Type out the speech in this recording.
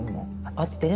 あってね